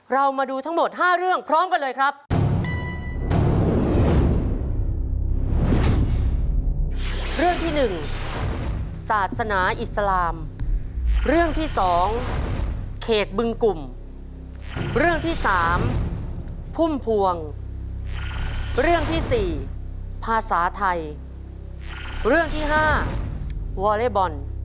เรามาดูทั้งหมด๕เรื่องพร้อมกันเลยครับ